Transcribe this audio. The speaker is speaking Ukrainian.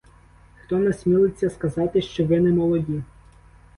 Хто насмілиться сказати, що ви не молоді?